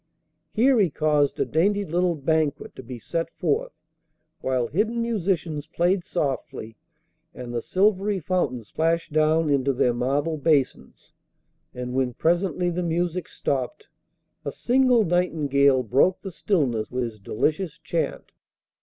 Here he caused a dainty little banquet to be set forth, while hidden musicians played softly, and the silvery fountains plashed down into their marble basins, and when presently the music stopped a single nightingale broke the stillness with his delicious chant.